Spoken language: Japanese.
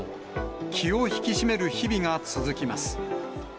気を引き締める日々が続きます。